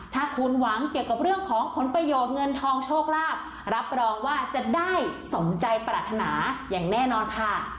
ถ้าคุณหวังเกี่ยวกับเรื่องของผลประโยชน์เงินทองโชคลาภรับรองว่าจะได้สมใจปรารถนาอย่างแน่นอนค่ะ